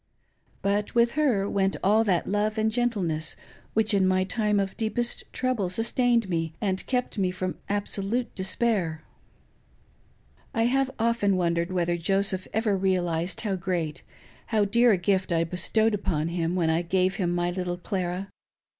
But, with ber went all that love and gentleness which in my time of deepest trouble sustained me and kept me from abso lute despair. I have often wondered whether Joseph ever realised how great, how dear, a gift I bestowed upon him when I gave him 514 THE SECOND ENDOWMENTS. my little Clara.